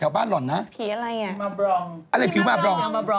เหมือนปากกาวมองบรองก์